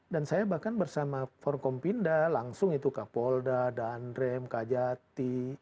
dan saya bahkan bersama forkompinda langsung itu kapolda dandrem kajati